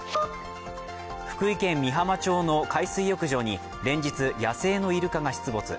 福井県美浜町の海水浴場に連日、野生のイルカが出没。